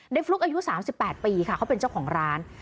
ฟลุ๊กอายุ๓๘ปีค่ะเขาเป็นเจ้าของร้าน